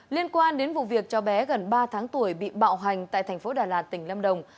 liên quan đến vụ việc cho bé gần ba tháng tuổi bị bạo hành tại thành phố đà lạt tỉnh lâm đồng